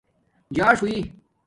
جاݽ ہݸئ